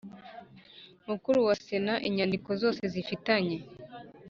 Mukuru wa Sena inyandiko zose zifitanye